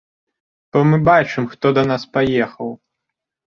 Бо мы бачым, хто да нас паехаў!